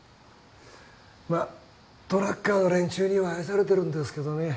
まあトラッカーの連中には愛されてるんですけどね。